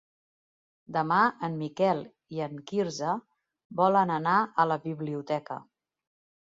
Demà en Miquel i en Quirze volen anar a la biblioteca.